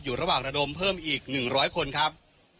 ระหว่างระดมเพิ่มอีก๑๐๐คนครับ